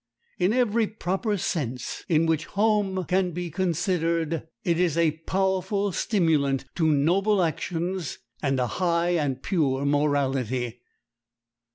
In every proper sense in which home can be considered, it is a powerful stimulant to noble actions and a high and pure morality.